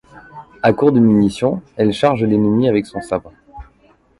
À court de munitions, elle charge l'ennemi avec son sabre.